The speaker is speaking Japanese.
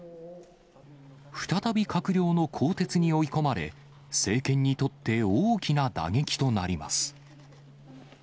再び閣僚の更迭に追い込まれ、政権にとって大きな打撃となります。